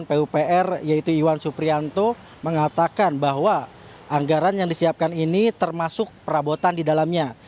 pupr yaitu iwan suprianto mengatakan bahwa anggaran yang disiapkan ini termasuk perabotan di dalamnya